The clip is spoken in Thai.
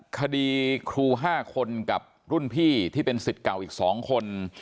คดีครู๕คนกับรุ่นพี่ที่เป็นสิทธิ์เก่าอีก๒คน